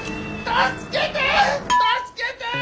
助けて！